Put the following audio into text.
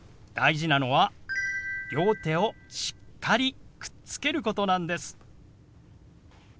大事なのは両手をしっかりくっつけることなんです。